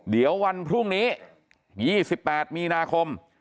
เดี๋ยววันพรุ่งนี้๒๘มีนาคม